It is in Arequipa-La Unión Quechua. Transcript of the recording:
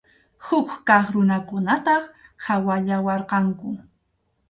Huk kaq runakunataq qhawallawarqanku.